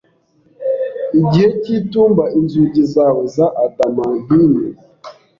Igihe cyitumba inzugi zawe za adamantine